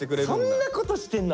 そんなことしてんの？